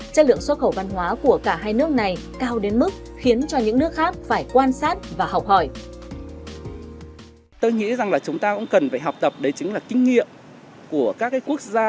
chất lượng xuất khẩu văn hóa của cả hai nước này cao đến mức khiến cho những nước khác phải quan sát và học hỏi